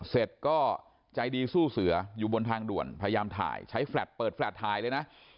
เสร็จก็ใจดีสู้เสืออยู่บนทางด่วนพยายามถ่ายใช้แฟลตเปิดแลตถ่ายเลยนะ